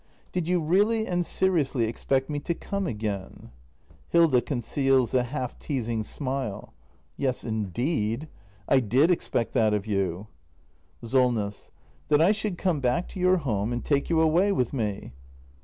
] Did you really and seri ously expect me to come again ? Hilda. [Conceals a half teasing smile.] Yes, indeed! I did expect that of you. Solness. That I should come back to your home, and take you away with me